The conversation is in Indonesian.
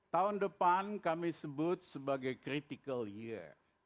tahun depan kami sebut sebagai critical year